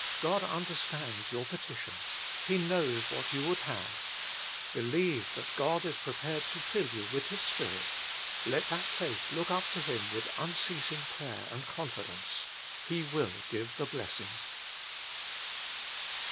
God understands your petition. He knows what you would have. Believe that God is prepared to fill you with His Spirit ; let that faith look up to Him with unceasing prayer and confidence. He will give the blessing.